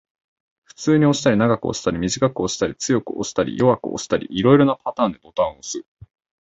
普通に押したり、長く押したり、短く押したり、強く押したり、弱く押したり、色々なパターンでボタンを押す